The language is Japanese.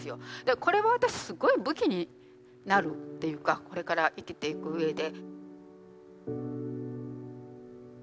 これは私すごい武器になるっていうかこれから生きていく上で。